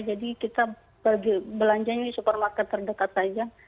jadi kita belanjanya di supermarket terdekat saja